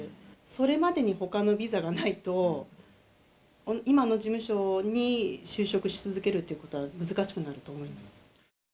それまでにほかのビザがないと、今の事務所に就職し続けるということは難しくなると思います。